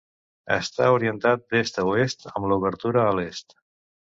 Està orientat d'est a oest, amb l'obertura a l'est.